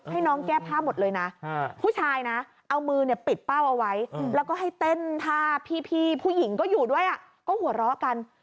ให้น้องแก้ผ้าหมดเลยนะผู้ชายนะเอามือเนี่ยปิดเป้าเอาไว้แล้วก็ให้เต้นท่าพี่ผู้หญิงก็อยู่ด้วยก็หัวเราะกัน